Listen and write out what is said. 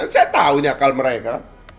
saya tahu ini akal mereka